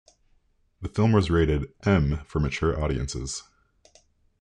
The film was rated "M" for "Mature Audiences.